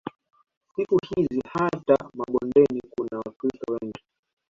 Siku hizi hata mabondeni kuna Wakristo wengi